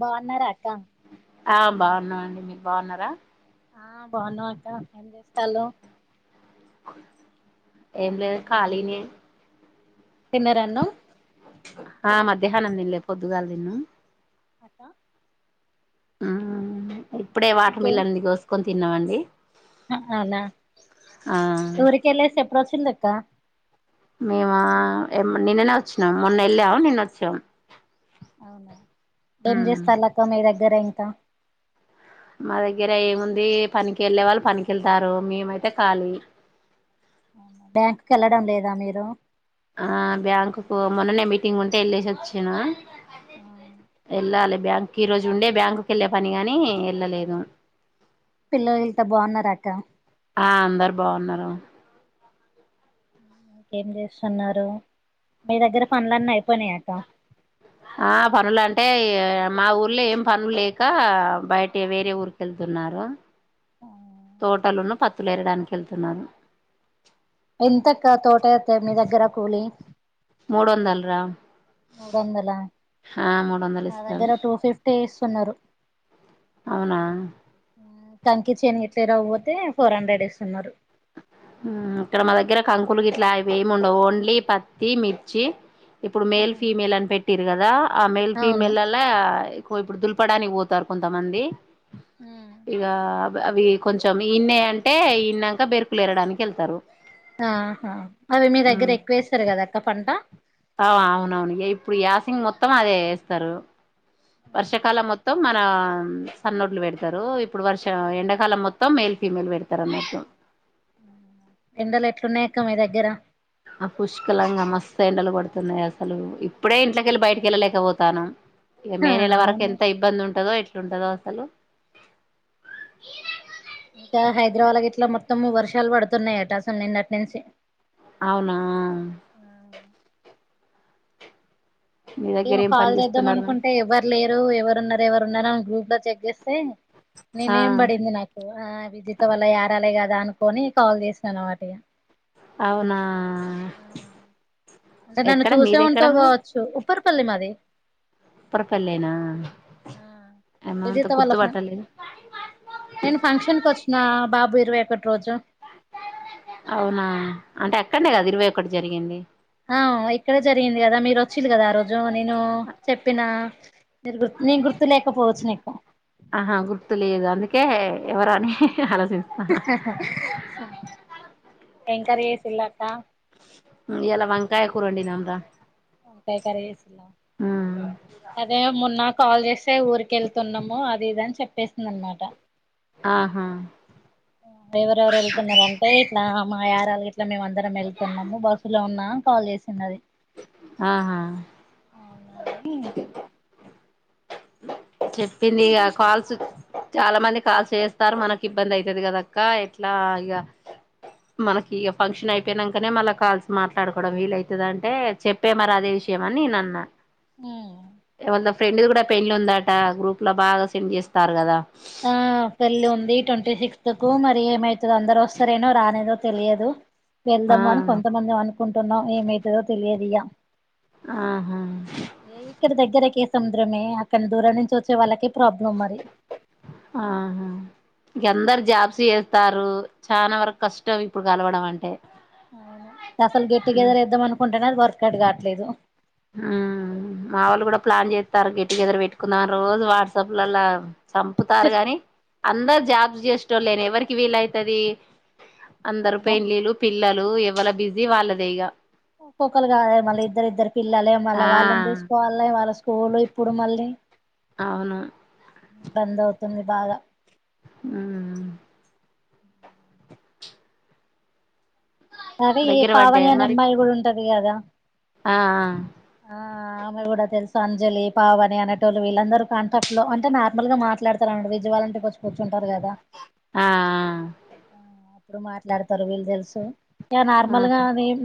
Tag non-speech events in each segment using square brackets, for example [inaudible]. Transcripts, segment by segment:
బాగున్నార అక్క ఆ బాగున్నావండి మీకు బాగున్నారా ఆ బాగున్నా అక్క ఏం చేస్తలో ఏం లేదు కాలినే తిన్నార అన్నం ఆ మధ్యాహ్నం తిన్లీ పొద్దుగాలు తిన్నాం [inaudible] ఇప్పుడే వాతెర్మెలోన్ కోసుకొని తిన్నామండి అవున ఆ ఊరికి వెళ్లిసి ఎప్పుడూ వచ్చిండు అక్క మేము నిన్ననే వచ్చినాం మొన్న వెళ్ళాము నిన్న వచ్చాం అవునా ఏం చేస్తారు అక్క మీ దగ్గర ఇంకా మా దగ్గర ఏముంది పనికి వెళ్ళే వాళ్ళు పనికి వెళ్తారు మేమైతే ఖాలీ బ్యాంక్కి వెళ్ళడం లేదా మీరు ఆ బ్యాంకు కు మొన్ననే మీటింగ్ ఉంటే వెళ్ళేసి వచ్చిన వెళ్ళాలి బ్యాంక్ ఈ రోజు ఉండే బ్యాంక్ క వెళ్ళి పని గాని వెళ్ళలేదు పిల్లలతో బాగున్నార అక్క ఆ అందరు బాగున్నారు ఏం చేస్తున్నారు మీ దగ్గర పనులన్నీ అయిపోయినాయ అక్క ఆ పనులు అంటే మా ఊర్లో ఏం పనులు లేక బయట వేరే ఊరికి వెళ్తు న్నాము [unintelligible] తోటలున్ను పత్తులు ఎరడానికి వెళ్తున్నాను ఎంతక్క తోట ఏరితే మీ దగ్గర కూలి మూడు వందలు రా మూడు వందలా ఆ మూడు వందలు మా ఇస్తారు దగ్గర టూ ఫిఫ్టీ ఇస్తున్నారు అవునా కంకి చేను గిట్లా ఇరువబోతే ఫోర్ హండ్రెడ్ ఇస్తున్నారు ఇక్కడ మా దగ్గర కంకులు గిట్లా అవి ఏమి ఉండవు ఓన్లీ పత్తి మిర్చి ఇప్పుడు మేల్ ఫీమేల్ అని పెట్టిన్రు కదా ఆ మేల్ అవును ఫీమేల్ లల్లా దుల్పడానికి పోతారు కొంతమంది ఇగ అవి కొంచెం ఇన్నయ్ అంటే ఇన్నంక బెరుకులు ఎరడానికి వెళ్తారు ఆహా అవి మీ దగ్గర ఎక్కువేస్తారు కదా అక్క పంట ఆ అవునవును ఇప్పుడు యాసింగ్ మొత్తం అదే వేస్తారు వర్షాకాలం మొత్తం మన సన్నోడ్లు పెడతారు ఇప్పుడు ఎండాకాలం మొత్తం మెల్ ఫీమేల్ పెడతారు అన్నట్టు ఎండలు ఎట్లున్నాయక్క మీ దగ్గర ఆ పుష్కలంగా మస్త్ ఎండలు కొడుతున్నాయి అసలు ఇప్పుడే ఇంట్లకెళ్ళి బయటికి వెళ్ళలేకపోతనం ఇగ మే నెల వరకు అవును ఎంత ఇబ్బంది ఉంటదో ఎట్లుంటదో అసలు గా హైదరాబాద్ గిట్లా మొత్తం వర్షాలు పడుతున్నాయట అసలు నిన్నటి నుంచి అవునా మీ దగ్గర ఇగ ఏం కాల్ పని చేేద్దాం చేస్తున్నారు మరి అనుకుంటే ఎవ్వరు లేరు ఎవరున్న ఎవరున్నన్నారో అని గ్రూప్ లో చెక్ చేస్తే నీ ఆ నేమ్ పడింది నాకు ఆ విజెత వాల్ల యారాలే కదా అనుకొని కాల్ చేస్తాన్న అన్నమాట ఇగ అవునా నన్ను ఎక్కడ చూసే మీదెక్కడ ఉంటవు మరి కావచ్చు ఉప్పరిపల్లి మాది ఉప్పరిపల్లి నా ఏమో అంత విజిత గుర్తు వాళ్ళ ఫ పట్టట్లేదు నేను ఫంక్షన్ కు వచ్చిన బాబు ఇరవై ఒకటి రోజు అవునా అంటే అక్కడే కదా ఇరవై ఒకటి జరిగింది ఆ ఇక్కడే జరిగింది కదా మీరు వచ్చిన్రు కదా ఆ రోజు నేను చెప్పిన నేను గుర్తు గుర్తులేక పోవచ్చు నీకు ఒకే ఎవరా అని ఆలోచిస్తున్న ఏం కర్రీ చేసిన్లు అక్క ఇయ్యాల వంకాయ కూర వండినం రా వంకాయ కర్రీ చేసిన్రా అదే మొన్న కాల్ చేస్తే ఊరికి వెళ్తున్నాము అది ఇదని చెప్పేసింది అనమాట ఆహా ఎవరెవరు వెళ్తున్నారంటే ఇట్లా మా యారాలు ఇట్లా మేము అందరం వెళ్తున్నాము బస్సు లో ఉన్నా కాల్ చేసింది అది ఆహా అవునా అని [unintelligible] చెప్పింది ఇగ కాల్స్ చాలా మంది కాల్స్ చేస్తన్రు ఇగ మనకి ఇబ్బంది అవుతది కదక్క ఎట్లా అక్క మనకి ఇగ ఫంక్షన్ అయిపోయినాకనే మళ్ళా కాల్స్ మాట్లాడుకోవడం వీలవుతుంది అని చెప్ప మరి అదే విషయం చేయమని అన్న ఎవరిదో ఫ్రెండ్ కూడా పెండ్లి ఉంది అట గ్రూప్ లో బాగా సెండ్ చేస్తారు కదా ఆ పెళ్లి ఉంది ట్వంటీ సిక్స్త్ కు మరి ఏమైతదో అందరు వస్తారో రారో తెలియదు ఆ వెళ్దాము అని కొంతమంది అనుకుంటున్నాం ఏమైతదో తెలియదు ఇగా ఆహా ఇక్కడ దగ్గరకే సముద్రమే అక్కడ దూరం నుంచి వచ్చే వాళ్ళకి ప్రాబ్లమ్ మరి ఆహా ఇగ అందరు జాబ్స్ చేస్తారు చనా వరకు కష్టం ఇప్పుడు కలవడం అంటే అవును అసలు గెట్టుగెదర్ ఏద్దాం అనుకుంటేనే అది వర్క్ అట్ కావట్లేదు ఊ మా వాళ్ళు కూడా ప్లాన్ చేస్తారు గెట్టుగెదర్ పెట్టుకున్న రోజు వాట్సాప్ లలా చంపుతారు గాని అందరు జాబ్ చేసెటోళ్ళే ఎవరికి వీలైతది అందరు అవును పెండ్లిలు పిల్లలు ఎవల బిజీ వాళ్ళదేగ ఒక్కొక్కరు కాదయే మళ్ళ ఇద్దరు ఇద్దరు పిల్లలే మళ్ళ వాళ్ళని ఆ చూసుకోవాలయే వాళ్లస్ స్కూలు ఇప్పుడు మళ్ళీ అవును ఇబ్బంద అవుతుంది బాగా ఊ అదే ఈ దగ్గర పావని పడ్డాయా అనే మరి అమ్మాయి కూడా ఉంటది కదా ఆ ఆ ఆ ఆమె కూడా తెలుస అంజలి పావని అనేటోళు వీళ్ళందరూ కాంట్రాక్ట్ లో అంటే నార్మల్ గా మాట్లాడతారు అంటే విజవాలంటేచ్చుకూచున్ ఆ ఆ ఎప్పుడు మాట్లాడతారో వీళ్ళు తెలుసు ఇక ఆ నార్మల్ గా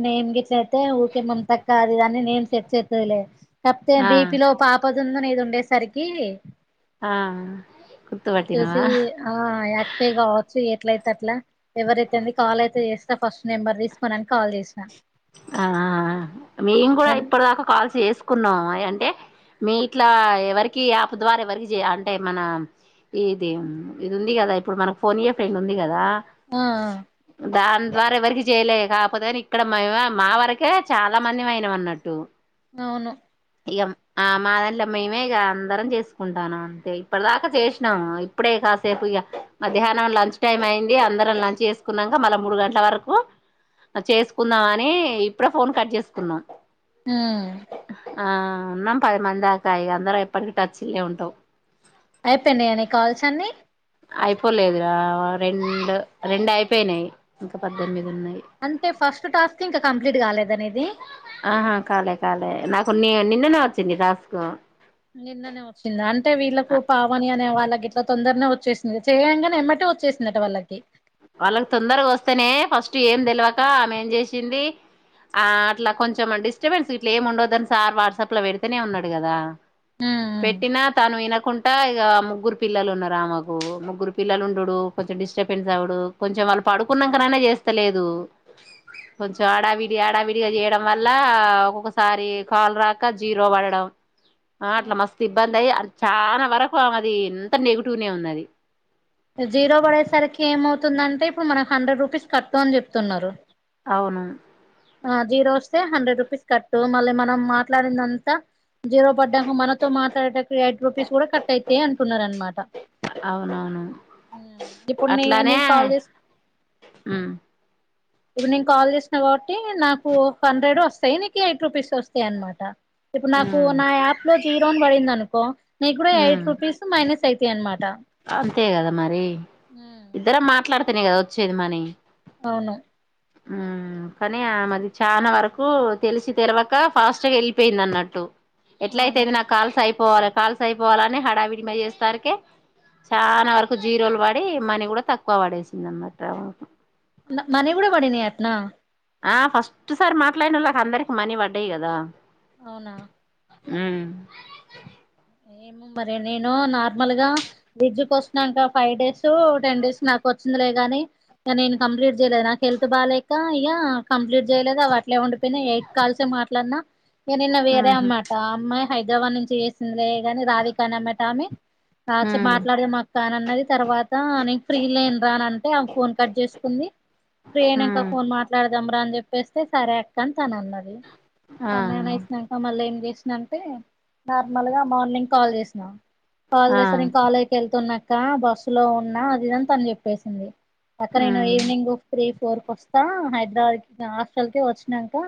నేమ్ గిట్లయితే ఊరికే ముంత కాడ్ ఇదన్ని నేం సెట్ చేస్తదిలే కాకపోతే ఆ ఆ దీపిలో పాపదున్న నీది ఉండేసరికి ఆ ఏ గుర్తుపట్టినవా తూసి ఆ యక్కే కావచ్చు ఎట్లయితే అట్లా ఎవరైతేంది కాల్ అయితే చేస్తా ఫస్ట్ నెంబర్ తీసుకోని అని కాల్ చేసినా ఆ మేము కూడా ఇప్పటిదాకా కాల్స్ చేసు కున్నాం అంటే మీ ఇట్లా ఎవరికి యాప్ ద్వారా ఎవరికి చే అంటే మన ఇది ఇది ఉంది కదా ఇప్పుడు మనకు ఫోన్ ఇయ్యే ఫ్రెండ్ ఉంది కదా ఆ ఆ దాని ద్వారా ఎవరికి చేయలే కాకపోతే కాని ఇక్కడ మే మా వరకే చాలా మంది మైనం అన్నట్టు అవును ఇక ఆ మాదంల మేమే ఇగ అందరం చేసుకుంటాను అంతే ఇప్పటి దాకా చేసినాము ఇప్పుడే కాసేపు ఇగ మధ్యాహ్నం లంచ్ టైం అయింది అందరం లంచ్ చేసుకున్నాక మళ్ళా మూడు గంటల వరకు చేసుకుందాం అని ఇప్పుడే ఫోన్ కట్ చేసుకున్నాం ఊ ఆ ఉన్నాం పది మంది దాకా అందరం ఎప్పటికి టచ్లే ఉంటాం అయిపోయినయ నీ కాల్స్ అన్ని అయిపోలేదు రా రెండు రెండు అయిపోయినాయి ఇంకా పద్దెనిమిది దున్నయ్ అంటే ఫస్ట్ టాస్క్ ఇంకా కంప్లీట్ కాలేదా నీది ఆహా కాలే కాలే నాకు కొన్ని నిన్ననే వచ్చింది టాస్కు నిన్ననే వచ్చింది అంటే వీళ్ళలకు పావని అనే వాళ్ళకి ఇట్లా తొందరనే వచ్చేసింది చేయంగనే ఎమ్మటి వచ్చేసిందట వాళ్ళకి వాళ్ళకి తొందరగా వస్తేనే ఫస్ట్ ఏం తెలవక ఆమె ఏం చేసింది ఆ అట్లా కొంచెం డిస్టర్బెన్స్ ఇట్లా ఏమి ఉండదని సార్ వాట్సాప్ లో పెడితేనే ఉన్నాడు కదా ఊ ఊ పెట్టినా తాను వినకుండా ఇక ముగ్గురు పిల్లలు ఉన్నారు ఆ మాకు ముగ్గురు పిల్లలు ఉండుడు కొంచెం డిస్టపెన్ చవుడు కొంచెం వాళ్ళు పడుకున్నకయినా చేస్తలేదు కొంచం హడావిడి హడావిడిగా చేయడం వల్ల ఒక్కొక్కసారి కాల్ రాక జీరో పడడం ఆ అట్లా ఉమ్ మస్తు ఇబ్బంది అయి అ చానా వరకు ఆమెది అంత నెగిటివ్నే ఉన్నది తుందంటే ఇప్పుడు మనకి హండ్రెడ్ రూపీస్ కట్ అని చెప్తున్నారు అవును ఆ జీరో వస్తే హండ్రెడ్ రూపీస్ కట్టు మళ్ళీ మనం మాట్లాడిందంతా జీరో పడ్డాక మనతో మాట్లాడటనికి ఎయిట్ రూపీస్ కూడా కట్ అయితాయి అంటున్నారు అనమాట అవునవును ఊ ఇపుడు నీ అట్లానే నీక్ కాల్ చేస్ ఉమ్ ఇవి నను కాల్ చేసిన కాబట్టి నాకు హండ్రెడ్ వస్తాయి నీకు ఎయిట్ రూపీస్ వస్తాయి అనమాట ఇప్పుడు నాకు ఉమ్ నా యాప్ లో జీరో అ పడింది అనుకో నీకు కూడా ఉమ్ ఎయిట్ రూపీస్ మైనస్ అయితాయి అనమాట అంతే కదా మరి ఇద్దర మాట్లాడుతేనే కదా వచ్చేది మనీ అవును కానీ ఆ మాది చాలా వరకు తెలిసి తెలివక ఫాస్ట్ గా వెళ్ళిపోయింది అన్నట్టు ఎట్ల అవును అయితేంది నాకు కాల్స్ అయిపోవాలి కాల్స్ అయిపోవాలని హడావిడిమ చేస్తారుకి చాలా వరకు జీరోలు పడి మనీ కూడా తక్కువ పడేసింది అనమాట మన కూడా పడిని నా ఆ ఫస్ట్ సారి మాట్లాడిన వాళ్ళకి అందరికి మనీ పడ్డాయి కదా అవునా అ మరి నేను నార్మల్ గా విజ వస్తుాక ఫైవ్ డేస్ టెన్ డేస్ నాకు వచ్చిన గాని ఇక నేను కంప్లీట్ చేయలేదు నాకు హెల్త్ బాగాలేక ఇ కంప్లీట్ చేయలేదు అ అట్లే ఉండిపోయి ఎయిట్ కాల్స మాట్లాడినా నేను నిన్న వేరే ఉహు అన్నమాట ఆ అమ్మాయి హైదరాబాద్ నుంచి వ ందేగానీ రాధిక నమ్మటమె ఆ ఉమ్ మాట్లాడదం అక్క అని అన్నది తర్వాత నేను ఫ్రీ లేన రా అని అంటే ఫోన్ కట్ చేసుకుంది ప్రయణక ఉమ్ ఫోన్ మాట్లాడ గమ్రా అని చెప్పేస్తే సరే అక్కని తన అన్నది ఆ తన్న నేన వేసినాక మళ్ళ ఏం చేస్త అంటే నార్మల్గా మార్నింగ్ కాల్ చేసినా కాల్ ఆ చేస్తా నేను కాల్ వెళ్తున్నా బస్సు లో ఉన్నా అదిదని తను చెప్పేసింది అక్క నేను ఉమ్ ఈవినింగ్ త్రీ కోరుక వస్తా హైదరాబాద్ కి హాస్టల్ కి వచ్చాక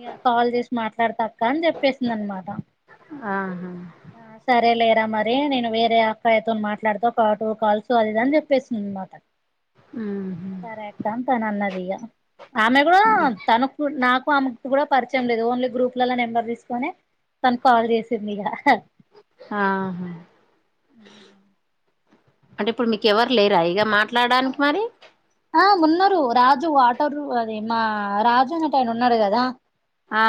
ఇ కాల్ చేసి మాట్లాడతా అక్క అని చెప్పేసింది అనమాట ఆహా దా మరి నేను వేరే అక్కాయితో మాట్లాడుతా కాటు కలుసు అది ఇద అని చెప్పేసింది అనమాట ఉహు సరే అక్క తను అన్నది ఇక ఆమె కూడా తనకు నాకు ఆమెకు కూడా పరిచయం లేదు ఓన్లీ గ్రూప్లలో నెంబర్ తీసుకొని తన కాల్ చేసింది ఇక ఆాా అంటే ఇప్పుడు మీకు ఎవరు లేరా ఇగ మాట్లాడానికి మరి ఆ ఉన్నారు రాజు ఆటరు అది మా రాజు అనేట ఆయన ఉన్నాడు కదా ఆ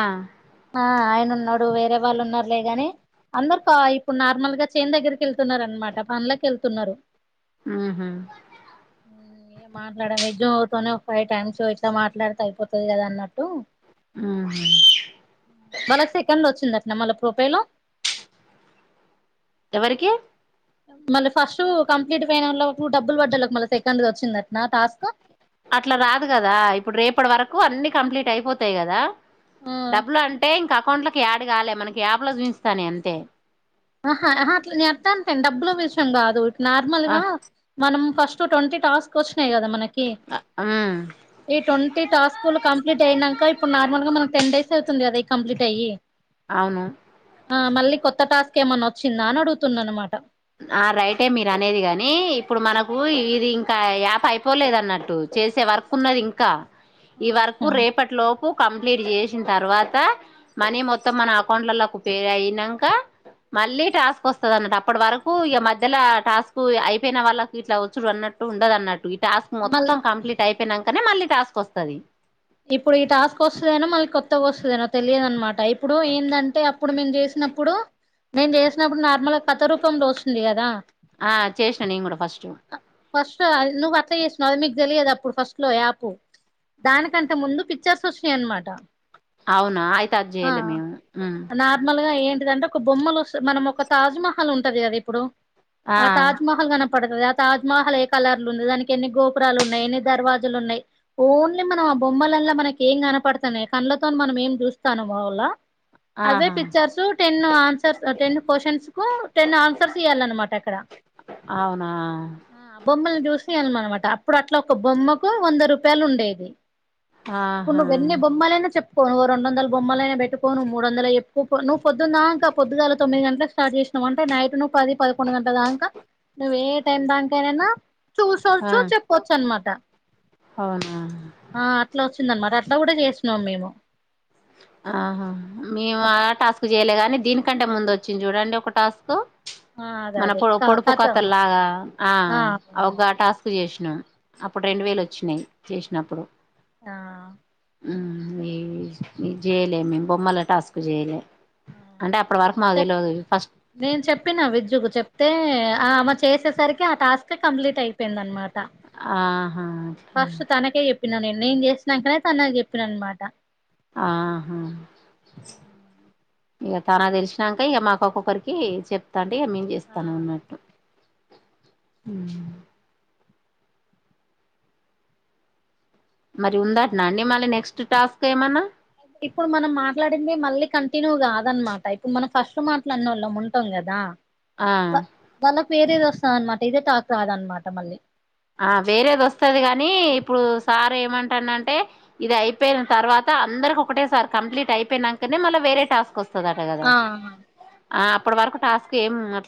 ఆ ఆయనన్నాడు వేరే వాళ్ళు ఉన్నారులే ని అందరు కా ఇప్పుడు నార్మల్ గా చేన్ దగ్గరికి వెళ్తున్నారుార అనమాట పనులకి వెళ్తున్నారు ఆహ మాట్లాడ విద్యంతోనే ఒక ఫైవ్ టైమ్స్ ఇట్లా మాట్లాడితే అయిపోతుది కదా అన్నట్టు ఉహు మళ సెకం లో వచ్చింద న మల ప్రూపయలో ఎవరికి మళ్ళీ ఫస్ట్ కంప్లీట్ అైనన వా డబ్బు పడాలి ఒక మళ్ళీ సెకండ్ వచ్చిందట్ అట్లా రాదు కదా ఇప్పుడు రేపటి వరకు అన్నిీ కంప్లీట్ అయిపోతాయి కదా ఆ డబ్బులు అంటే ఇంకా అకౌంట్లకి యాడ్ కాలే మనకి యాప్ లో చూపిస్తాను అంతే ఆహా అట్ నేను అర్థా అంటండి డబ్బుల విషయం కాదు ఇ నార్మల్ ఆ గా మనం ఫస్ట్ ట్వంటీ టాస్క్ వచ్చినాయి కదా మనకి ఉమ్ ఈ ట్వంటీ టాస్కులు కంప్లీట్ అయినాక ఇప్పుడు నార్మల్ గా మనం టెన్ డేస్ కంప్ట్ అయ అవును మళ్ళ కొ టాస్ ఏమన్నా వచ్చిందా అని అడుగుతున్నా అనమాట ఆ రైటే మీరు అనేది కాగాని ఇప్పుడు మనకు ఇది ఇంకా యాప్ అయిపోలేదు అన్నట్టు చేసే వర్క్ ఉన్నది ఇంకా ఈ వర్కు రేపటిలో కంప్లీట్ చేసిన తర్వాత మనీ మొత్తం మన అకౌంట్లకు పేరు అయినాక మళ్ళీ టాస్క్ వసది అన్నట్టు అప్పటి వరక్ కు ఇగా మధ్యల టాస్క్ అయిపోయిన వాళ్ళకు ఇట్లా వచ్చుడు అన్నట్టు ఉండదు. అన్నట్టు ఇప్ టాస్క్ మళ్ళీ మొత్తం కంప్లీట్ అయిపోయినాకనే మళ్ళీ టాస్క్ వసది. ఇప్పుడు ఈ టాస్క్ వసదనో మళ్ళీ కొత్తగ్ వసదనో తెలియద్ అనమాట ఇప్పుడు ఏందంటే అప్పుడు మేము జేసినప్ ప్పుడు నేన్ జేచినప్పుడు నార్మల్గా కథ రూపంలో వసుంది గదా. ఆ చేశనా నేన్ గూడా ఫస్టు. సో అద్ నువ్వు అట్లా చేశనవ్ అద్ మీగ్ దేలియదు అప్పుడు ఫస్ట్ లో యాపు దానిక్ సంటే ముందు పిచ్చర్స్ వచ్చినాయ్ అన్ మాటా. అవునా అయితే అద్ జేయలే మేము ఉహ్ డిద్దదకొ ఓ బొమ్మలు వసే మనం ఒక తాజమహల్ ఉంటది కదా ఇప్పుడు ఆ తాజమహల్ గానప్ పడతది. ఆ తజ్మహల్ ఏ కలర్లు ఉంది, దానికి ఎన్ని గోపురాలు ఉన్నాయ్, ఎన్ని దర్వాజులు ఉన్నాయ్ ఓన్లీ మనవబ్ బొమ్మలలా మనక్ ఏం కనపడుతున్నాయ్ కళ్లతో మనం ఏం జ్యూస్తానమో ఓలా అదే ఆహా pictures ten answers, ten questions కు టెన్ ఆన్సర్స్ ఇయాల్నానమాట అక్కడ అవునా చూసియాల్ మన్ మాట అప్పుడు అట్లా ఒక బొమ్మకు వంద రూపాయలు ఉండేవి. ఇప్పుడ్ ఆహా నువ్ ఎన్ని బొమ్మాలైనా చెప్ పోను రొండోదల్ బొమ్మలైనా పెట్టుకో నువ్ మూడోదలే ఎప్పుపో నువ్వు పొద్దునదాకా పొద్దుగాలా తొమ్మిది గంట్లక్ స్టార్ జేస్ నువంటే నైట్ నువ్వు పది పదకొండు గంట్ల దాంకా నువ్వు ఏ టైం దాకనైనా చూసోర్చు ఆ చూపొచ్చు అనమాట అవునా ఆ అట్లా వచ్చింద్ అన్నమాట్ అట్లా గూడా జేశన్నామ్ మేము ఆహా మేము ఆ అప్పు టాస్క్ జేయలేగాన్ నీ దీనికంటే ముందు వచ్చింది చూడండి ఒక టాస్కు ఆ అదే మన అదే పోడ్ క పొడుపు కథ కథలాగా ఆ అగో ఆ టాస్క్ జేష్ ను అప్పుడు రెండు వేలు వచ్చినాయ్ చేసినప్పుడు యా ఆ హుమ్ ఇవి ఇద్ జేయలే మేమ్ బొమ్మల టాస్క్ జేయలే. ఆ చెప్ ఫస్ట్ నేన్ చెప్పిన విజుగి చెప్తే ఆ మత్ చేసేసరికి ఆ టాస్క్ కంప్లీట్ ఐపేయింద్ అయిపోయింద్ అనమాట్ త ఆహా ఫస్ట్ తనకే ఎప్పినా నేన్ నేన్ జెశనాకనే తనక్ జేప్పిన్ అనమాట ఆహా ఇగా తనగ్ తెల్చిన్నాక ఇగా మాకు ఒక్కొక్కరికి చెప్తాంటే ఇగా మేం ఆ జేస్తాను ఉన్నట్టు. ఉహ్మ్ మరి ఉందటనా అండి మళ్ళీ నెక్స్ట్ టాస్క్ ఏమనా ఇప్పుడు మనం మాట్లాడింది మళ్ళీ కంటిన్యూ కాదనమాటా ఇప్పుడు మనం ఫస్ట్ మాట్లాడినోళ్ళం ఉంటాగ్ తదా ఆ వేరేద్ వసాద్ అనమాట ఇదే టాక్ రాదనమాట మళ్ళీ ఆ వేరేది వస్తది గాని ఇప్పుడు సార్ ఏమంటానంటే ఇది అయిపోయిన్ తర్వాత సా అందరికి ఒకటే సార్ కంప్లీట్ అయిపోయినాకనే మళ్ళీ వేరే టాస్క్ వస్ స్థాదట గదా ఆ ఆ ఆ అప్పటి వరకు టాస్క్ ఏం నట్లు